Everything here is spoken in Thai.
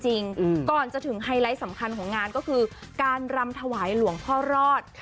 ก่อนจะถึงไฮไลท์สำคัญของงานก็คือการรำถวายหลวงพ่อรอด